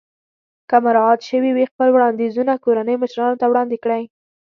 که مراعات شوي وي خپل وړاندیزونه کورنۍ مشرانو ته وړاندې کړئ.